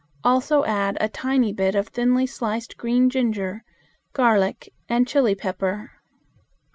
Also add a tiny bit of thinly sliced green ginger, garlic, and chili pepper.